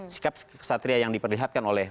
sikap kesatria yang diperlihatkan oleh